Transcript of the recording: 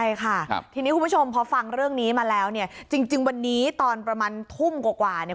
ใช่ค่ะทีนี้คุณผู้ชมพอฟังเรื่องนี้มาแล้วเนี่ยจริงวันนี้ตอนประมาณทุ่มกว่าเนี่ย